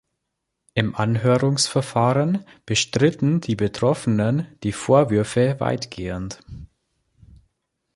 Im Anhörungsverfahren bestritten die Betroffenen die Vorwürfe weitgehend.